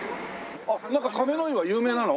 あっなんか亀の井は有名なの？